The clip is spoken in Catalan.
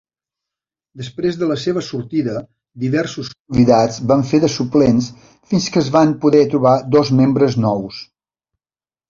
Després de la seva sortida, diversos convidats van fer de suplents fins que es van poder trobar dos membres nous.